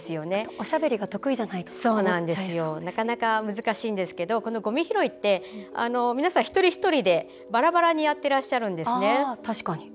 おしゃべりが得意じゃないととかってなかなか難しいんですけどこのごみ拾いって皆さん、一人一人でバラバラにやってらっしゃるんですね。